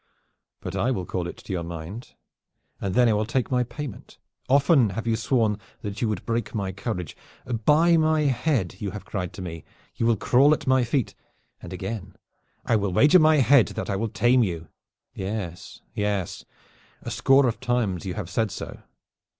"But I will call it to your mind, and then I will take my payment. Often have you sworn that you would break my courage. 'By my head!' you have cried to me. 'You will crawl at my feet!' and again: 'I will wager my head that I will tame you!' Yes, yes, a score of times you have said so.